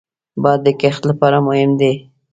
باد د کښت لپاره مهم دی